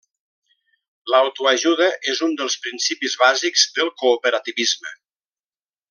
L'autoajuda és un dels principis bàsics del cooperativisme.